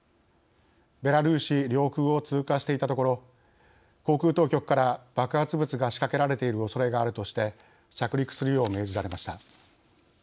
ベラルーシ領空を通過していたところ航空当局から爆発物がしかけられているおそれがあるとして着陸するよう命じられました。